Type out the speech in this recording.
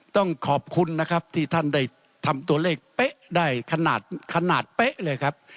ต้องขอบคุณนะครับที่ท่านได้ทำตัวเลขเป๊ะได้ขนาดเป๊ะเลยครับ